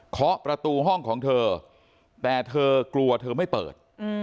เคาะประตูห้องของเธอแต่เธอกลัวเธอไม่เปิด